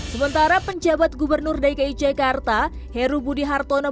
sementara penjabat gubernur dki jakarta heru budi hartono